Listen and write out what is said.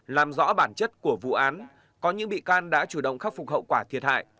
làm rõ bản chất của vụ án có những bị can đã chủ động khắc phục hậu quả thiệt hại